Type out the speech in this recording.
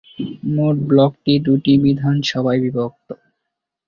মোট ব্লকটি দুটি বিধানসভায় বিভক্ত।